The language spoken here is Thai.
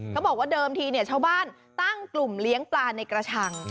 เขาบอกว่าเดิมทีชาวบ้านตั้งกลุ่มเลี้ยงปลาในกระชัง